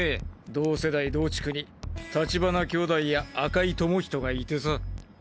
同世代同地区に立花兄弟や赤井智仁がいてさ。